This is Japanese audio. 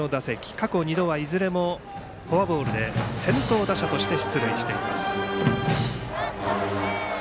過去２度はいずれもフォアボールで先頭打者として出塁しています。